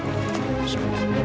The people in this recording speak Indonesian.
pa pak d